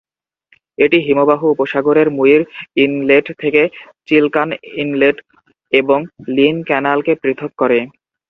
এটি হিমবাহ উপসাগরের মুইর ইনলেট থেকে চিল্কাট ইনলেট এবং লিন ক্যানালকে পৃথক করে।